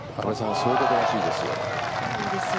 そういうことらしいですよ。